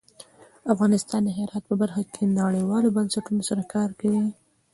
افغانستان د هرات په برخه کې نړیوالو بنسټونو سره کار کوي.